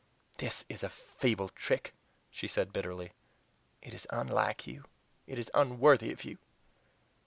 "This is a feeble trick," she said bitterly; "it is unlike you it is unworthy of you!"